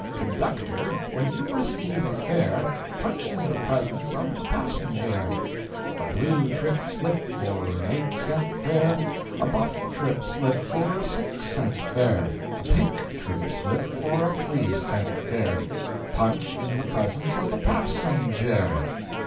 Conductor, when you receive a fare, Punch in the presence of the passenjare! A blue trip slip for an eight cent fare, A buff trip slip for a six cent fare, A pink trip slip for a three cent fare, Punch in the presence of the passenjare!